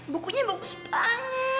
bukunya bagus banget